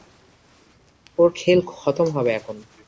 ওর খেল খতম হবে এখন।